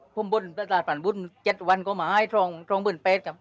พรรณบุญเจ็ดวันเขามาให้สองหมื่นแปดครับ